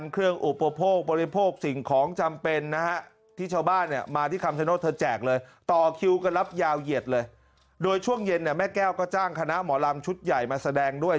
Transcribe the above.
เกลียดเลยโดยช่วงเย็นแม่แก้วก็จ้างคณะหมอรามชุดใหญ่มาแสดงด้วย